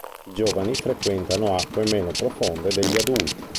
I giovani frequentano acque meno profonde degli adulti.